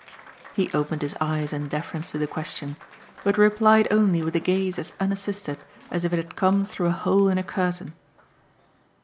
He opened his eyes in deference to the question, but replied only with a gaze as unassisted as if it had come through a hole in a curtain.